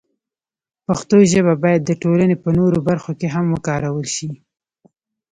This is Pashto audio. پښتو ژبه باید د ټولنې په نورو برخو کې هم وکارول شي.